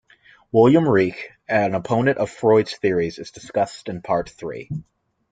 Wilhelm Reich, an opponent of Freud's theories, is discussed in part three.